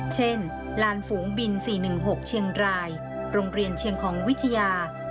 เช่นลานฝูงบิน๔๑๖เชียงรายโรงเรียนเชียงของวิทยา